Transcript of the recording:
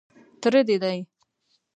_تره دې دی.